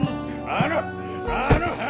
あのあの話！